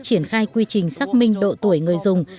triển khai quy trình xác minh độ tuổi người dùng